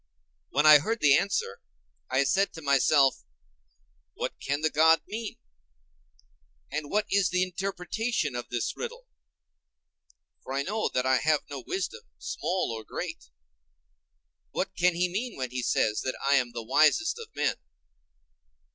When I heard the answer, I said to myself, What can the god mean? and what is the interpretation of this riddle? for I know that I have no wisdom, small or great. What can he mean when he says that I am the wisest of men?